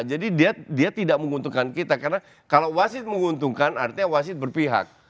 jadi dia tidak menguntungkan kita karena kalau wasid menguntungkan artinya wasid berpihak